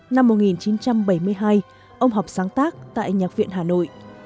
năm một nghìn chín trăm bảy mươi hai ông học sáng tác tại nhạc viện hà nội